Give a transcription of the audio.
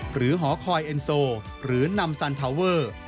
หรือหอคอยเอ็นโซลหรือนำซานทาวเวอร์